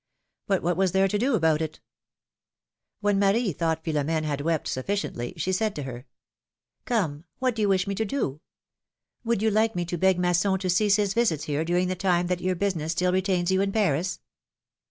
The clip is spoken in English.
But what was there to do about it? When Marie thought Philom^ne had wept sufficiently, she said to her : ^^Come, what do you wish me to do? Would you like me to beg Masson to cease his visits here during the time that your business still retains you in Paris?"